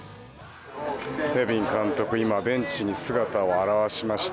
ネビン監督、今、ベンチに姿を現しました。